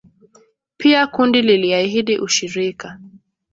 Pia kundi liliahidi ushirika